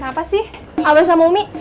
kenapa sih abang sama umi